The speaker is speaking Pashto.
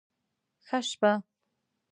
ښه شپه